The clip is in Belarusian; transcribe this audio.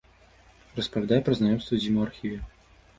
Распавядае пра знаёмства з ім у архіве.